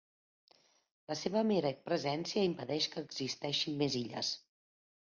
La seva mera presència impedeix que existeixin més illes.